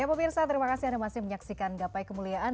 ya pemirsa terima kasih anda masih menyaksikan gapai kemuliaan